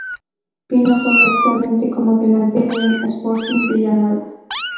Pino juega actualmente como delantero en el Sporting Villanueva.